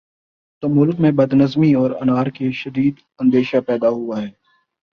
تو ملک میں بد نظمی اور انارکی کا شدید اندیشہ پیدا ہو جاتا ہے